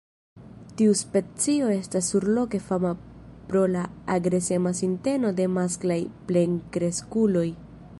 Tiu specio estas surloke fama pro la agresema sinteno de masklaj plenkreskuloj.